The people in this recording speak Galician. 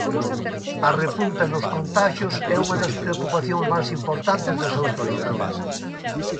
A repunta nos contaxios é unha das preocupacións máis importantes das autoridades.